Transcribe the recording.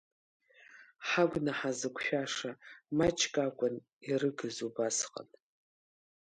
Ҳагәнаҳа зықәшәаша, маҷк акәын ирыгыз убасҟан…